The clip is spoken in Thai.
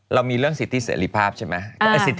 เรามีเรื่องสิทธิเสรีภาพใช่ไหม